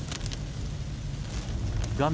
画面